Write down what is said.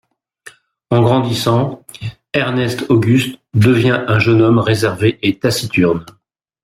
En grandissant, Ernest-Auguste devient un jeune homme réservé et taciturne.